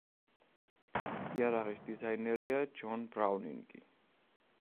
იარაღის დიზაინერია ჯონ ბრაუნინგი.